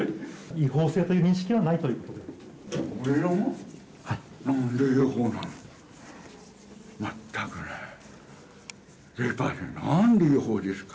違法性という認識はないということですか？